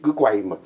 cứ quay mà